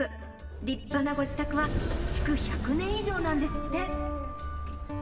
立派なご自宅は築１００年以上なんですって！